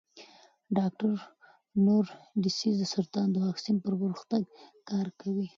ډاکټر نورا ډسیس د سرطان د واکسین پر پرمختګ کار کوي.